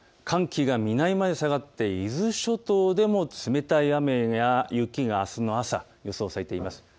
寒気が南まで下がって伊豆諸島でも冷たい雨や雪があすの朝、予想されています。